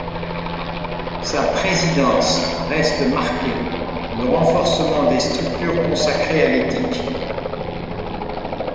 Sa présidence reste marquée le renforcement des structures consacrées à l'éthique.